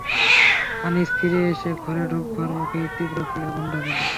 আনিস ফিরে এসে ঘরে ঢোকবার মুখেই তীব্র ফুলের গন্ধ পেল।